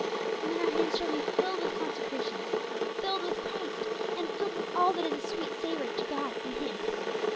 And then our hands shall be filled with 'consecrations,' filled with Christ, and filled with all that is a sweet savour to God in Him.